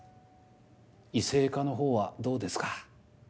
異性化の方はどうですか？